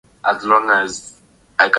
Dawa zingine ni kali sana